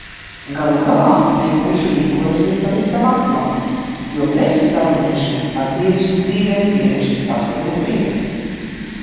Galu galā nebūšu rīkojusies pavisam aplami, jo preses abonēšana atgriezusi dzīvē piemirstu taktilu prieku.